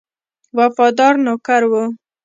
وفادار نوکر وو.